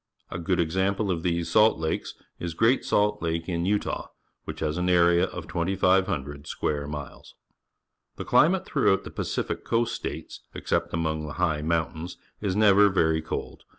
A good example of these salt lakes is Great Salt Lake in Utah, which has an area of 2,500 square miles. The climate throughout the PacifiaJIlQast__ States, except among the high mountains, is__ never very cold.